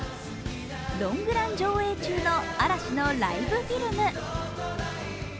ロングラン上映中の嵐のライブフィルム。